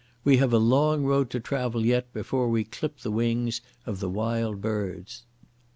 We have a long road to travel yet before we clip the wings of the Wild Birds."